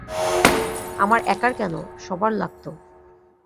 আমার একার কেন, সবার লাগত।